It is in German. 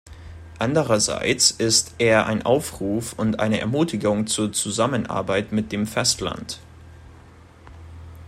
Andererseits ist er ein Aufruf und eine Ermutigung zur Zusammenarbeit mit dem Festland.